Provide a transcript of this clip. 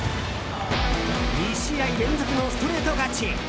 ２試合連続のストレート勝ち。